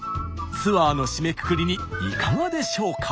ツアーの締めくくりにいかがでしょうか？